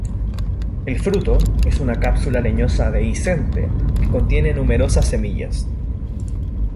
El fruto es una cápsula leñosa dehiscente que contiene numerosas semillas.